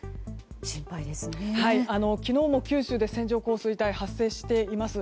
昨日も九州で線状降水帯が発生しています。